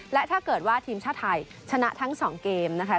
และถ้าเกิดว่าทีมชาติไทยชนะทั้ง๒เกมนะคะ